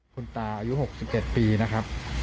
คุณตาอายุหกสิบเอ็ดปีนะครับ